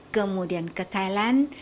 kemudian ke thailand